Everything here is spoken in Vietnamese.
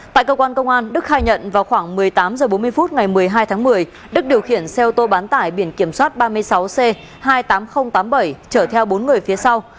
tại cơ quan công an đức khai nhận vào khoảng một mươi tám h bốn mươi phút ngày một mươi hai tháng một mươi đức điều khiển xe ô tô bán tải biển kiểm soát ba mươi sáu c hai mươi tám nghìn tám mươi bảy chở theo bốn người phía sau